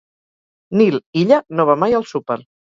Nil Illa no va mai al súper.